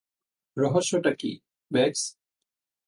রহস্যটা কী, ম্যাক্স?